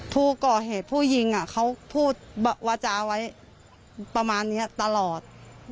ผู้ก่อเหตุผู้ยิงเขาพูดวาจาไว้ประมาณนี้ตลอด